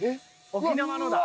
沖縄のだ。